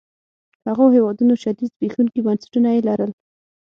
هغو هېوادونو شدید زبېښونکي بنسټونه يې لرل.